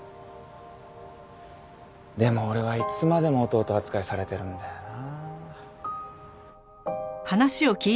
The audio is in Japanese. でも俺はいつまでも弟扱いされてるんだよな。